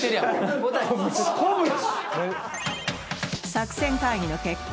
作戦会議の結果